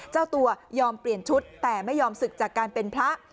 เจ้าตัวยอมเปลี่ยนชุดแต่ไม่ยอมศึกจากการเป็นพระ